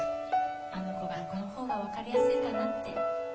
あの子がこの方がわかりやすいかなって